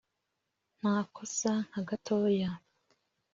nakosa nka gatoya